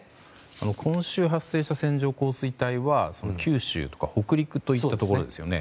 今週発生した線状降水帯は九州とか北陸といったところですよね。